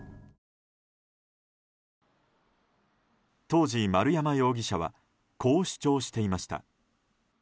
当時、丸山容疑者はこう主張していました。